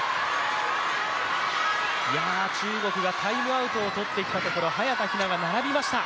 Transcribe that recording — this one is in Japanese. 中国がタイムアウトをとってきたところ、早田が並びました。